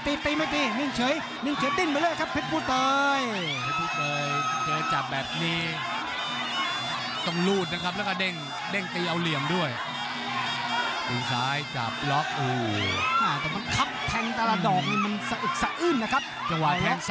ติ้มหญิงหนึ่งไปเลยครับเพชรพูเดย